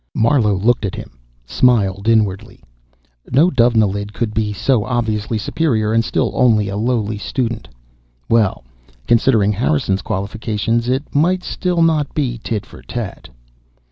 Marlowe, looking at him, smiled inwardly. No Dovenilid could be so obviously superior and still only a lowly student. Well, considering Harrison's qualifications, it might still not be tit for tat.